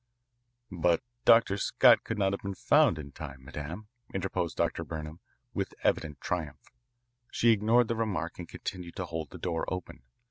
"But Dr. Scott could not have been found in time, madame," interposed Dr. Burnham with evident triumph. She ignored the remark and continued to hold the door open.